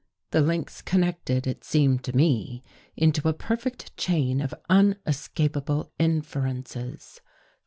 The links con nected, it seemed to me, into a perfect chain of un escapable inferences.